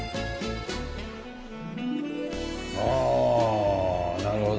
あぁなるほど。